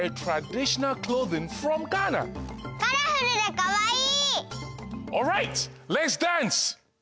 カラフルでかわいい！